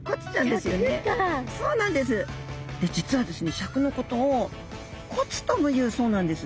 笏のことを「こつ」ともいうそうなんです。